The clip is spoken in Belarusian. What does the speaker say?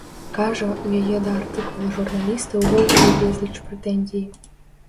Кажа, у яе да артыкула журналіста ўвогуле безліч прэтэнзій.